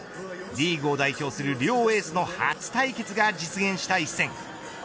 リーグを代表する両エースの初対決が実現した一戦。